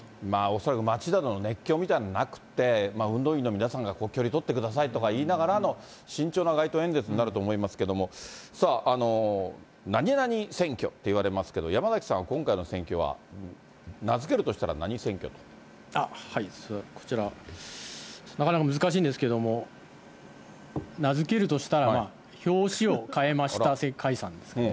恐らく街などの熱狂みたいなのはなくって、運動員の皆さんが距離取ってくださいとか言いながらの、慎重な街頭演説になると思いますけれども、さあ、何々選挙と言われますけれども、山崎さんは今回の選挙は、こちら、なかなか難しいんですけれども、名付けるとしたら、表紙をかえました解散ですかね。